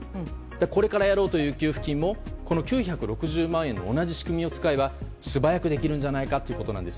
これからやろうという給付金も９６０万円と同じ仕組みを使えば素早くできるのではないかということです。